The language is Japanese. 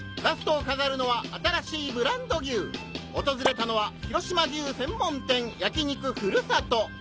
ラストを飾るのは新しいブランド牛訪れたのは『広島牛』専門店『焼肉ふるさと』！